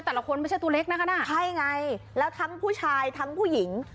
แต่ละคนไม่ใช่ตัวเล็กนะคะน่ะใช่ไงแล้วทั้งผู้ชายทั้งผู้หญิง